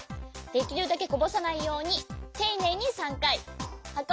できるだけこぼさないようにていねいに３かいはこんでみよう。